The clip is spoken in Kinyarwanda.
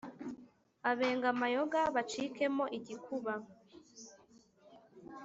abenga amayoga bacikemo igikuba.